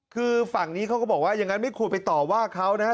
คือฝั่งนี้เขาก็บอกว่าอย่างนั้นไม่ควรไปต่อว่าเขานะฮะ